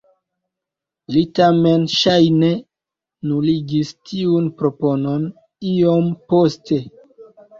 Li tamen ŝajne nuligis tiun proponon iom poste.